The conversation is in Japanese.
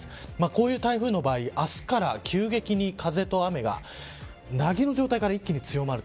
こういう台風の場合明日から急激に風と雨がなぎの状態から一気に強まる。